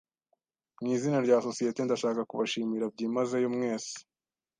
Mw'izina rya sosiyete, ndashaka kubashimira byimazeyo mwese.